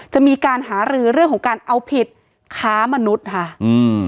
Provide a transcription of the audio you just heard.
จะมีการหารือเรื่องของการเอาผิดค้ามนุษย์ค่ะอืม